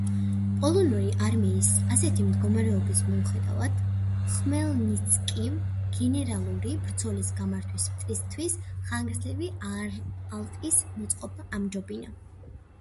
პოლონური არმიის ასეთი მდგომარეობის მიუხედავად ხმელნიცკიმ გენერალური ბრძოლის გამართვას მტრისთვის ხანგრძლივი ალყის მოწყობა ამჯობინა.